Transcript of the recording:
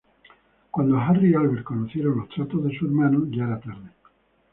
Cuando Harry y Albert conocieron los tratos de su hermano, ya era tarde.